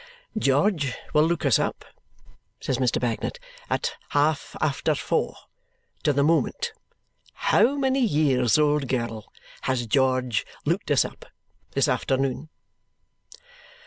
"George will look us up," says Mr. Bagnet. "At half after four. To the moment. How many years, old girl. Has George looked us up. This afternoon?"